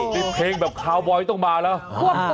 นี่เพลงแบบคาวบอยต้องมาแล้ว